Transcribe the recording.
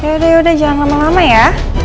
yaudah yaudah jangan lama lama ya